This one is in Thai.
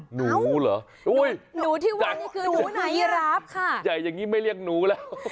หนูเหรอโอ๊ยยีราฟค่ะจับง่ายอย่างงี้ไม่เรียกหนูแล้ว